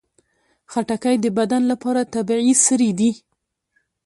خټکی د بدن لپاره طبیعي سري دي.